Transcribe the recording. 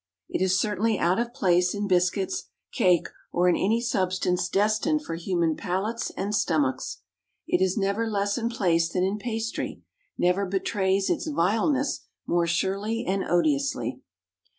It is certainly out of place in biscuits, cake, or in any substance destined for human palates and stomachs. It is never less in place than in pastry; never betrays its vileness more surely and odiously.